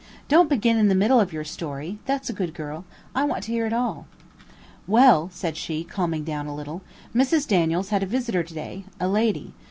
"Don't begin in the middle of your story, that's a good girl; I want to hear it all." "Well," said she, calming down a little, "Mrs. Daniels had a visitor to day, a lady.